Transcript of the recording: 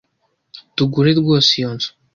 Tugura rwose iyo nzu.